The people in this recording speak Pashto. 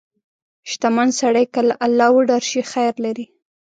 • شتمن سړی که له الله وډار شي، خیر لري.